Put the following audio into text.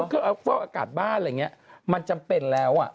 เครื่องฟอกอากาศบ้านมันจำเป็นแล้ว